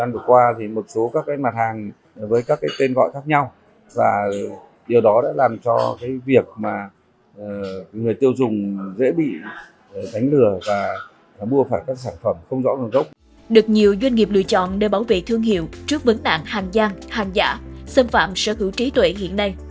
được nhiều doanh nghiệp lựa chọn để bảo vệ thương hiệu trước vấn đạn hàng giang hàng giả xâm phạm sở hữu trí tuệ hiện nay